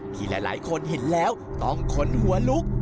ที่หลายคนเห็นแล้วต้องขนหัวลุก